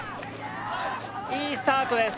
いいスタートです。